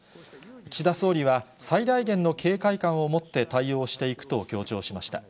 岸田総理は、最大限の警戒感を持って対応していくと強調しました。